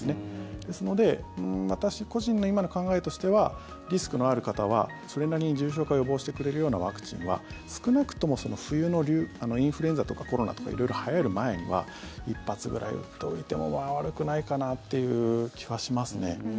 ですので私個人の今の考えとしてはリスクのある方はそれなりに重症化を予防してくれるようなワクチンは少なくとも冬のインフルエンザとかコロナとか色々、はやる前には一発くらい打っておいても悪くないかなという気はしますね。